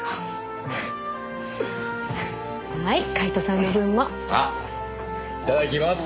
いただきます。